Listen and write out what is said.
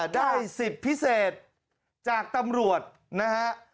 ได้สิทธิ์พิเศษจากตำรวจนะฮะ